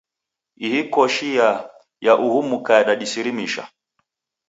Ii Koshi ya ya uhu mka yadisirimisha.